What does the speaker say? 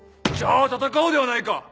じゃあ戦おうではないか！